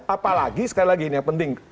apalagi sekali lagi ini yang penting